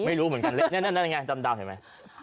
ไม่รู้เหมือนกันนั่นไงจำดาวเห็นไหม